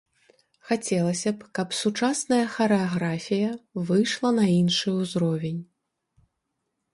Хацелася б, каб сучасная харэаграфія выйшла на іншы ўзровень.